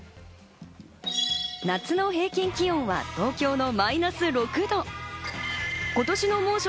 夏の平均気温は、東京のマイナス６度。